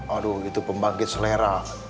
aduh itu pembangkit selera